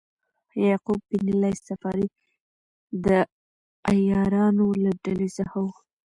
یعقوب بن لیث صفار د عیارانو له ډلې څخه و.